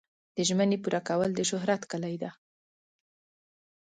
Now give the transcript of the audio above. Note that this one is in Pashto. د ژمنې پوره کول د شهرت کلي ده.